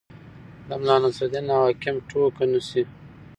د ملا نصرالدین او حاکم ټوکه نه شي.